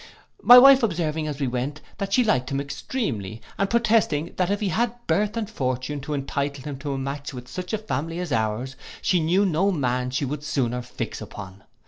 My wife observing as we went, that she liked him extremely, and protesting, that if he had birth and fortune to entitle him to match into such a family as our's, she knew no man she would sooner fix upon.